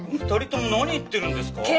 ２人とも何言ってるんですか？